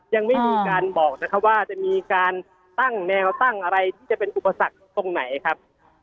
ยังไม่มีการบอกนะครับว่าจะมีการตั้งแนวตั้งอะไรที่จะเป็นอุปสรรคตรงไหนครับ